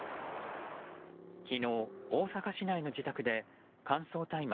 昨日、大阪市内の自宅で乾燥大麻